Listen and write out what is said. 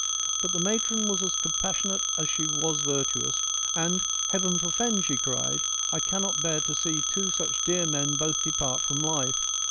But the matron was as compassionate as she was virtuous, and ' Heaven forfend !' she cried. ' I cannot bear to see two such dear men both depart from life.